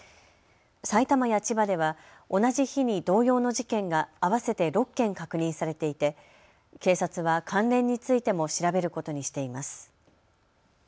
埼玉や千葉では同じ日に同様の事件が合わせて６件確認されていて警察は関連についても調べることにしています。